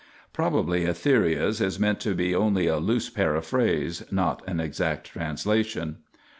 Probably Etheria's is meant to be only a loose paraphrase, not an exact transcription.